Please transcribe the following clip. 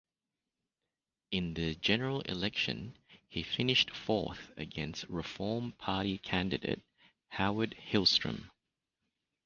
In the general election, he finished fourth against Reform Party candidate Howard Hilstrom.